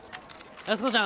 安子ちゃん？